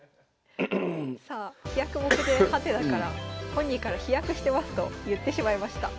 さあ「飛躍目前⁉」から本人から「飛躍してます」と言ってしまいました。